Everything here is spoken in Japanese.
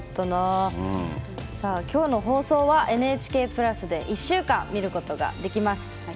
今日の放送はＮＨＫプラスで１週間見ることができます。